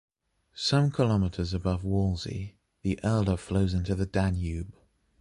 Some kilometers above Wallsee, the Erla flows into the Danube.